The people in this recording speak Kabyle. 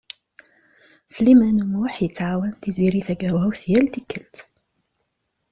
Sliman U Muḥ yettɛawan Tiziri Tagawawt yal tikkelt.